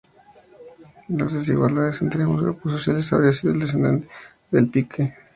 Las desigualdades entre ambos grupos sociales habría sido el desencadenante del pique.